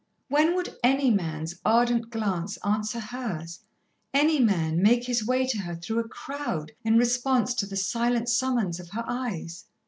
When would any man's ardent glance answer hers; any man make his way to her through a crowd in response to the silent summons of her eyes?